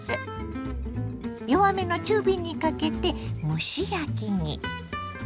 弱めの中火にかけて蒸し焼きに。